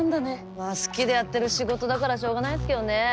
まあ好きでやってる仕事だからしょうがないっすけどね。